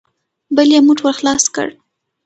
بل يې موټ ور خلاص کړ.